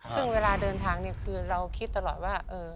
ซึ่งเวลาเดินทางคือเราคิดตลอดว่า